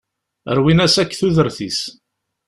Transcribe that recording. Rwin-as akk tudert-is.